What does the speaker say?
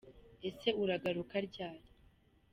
Ese uragaruka ryari?